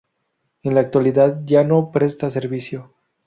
En la actualidad ya no presta servicio.